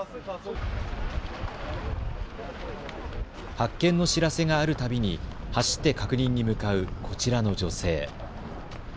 発見の知らせがあるたびに走って確認に向かうこちらの女性。